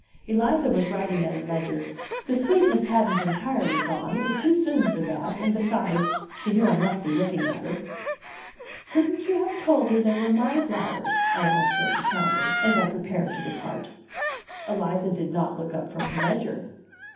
Eliza was writing at her ledger. The sweetness hadn't entirely gone; it was too soon for that, and besides, she knew I must be looking at her. "Couldn't you have told her they were my flowers?" I asked her at the counter, as I prepared to depart. Eliza did not look up from her ledger.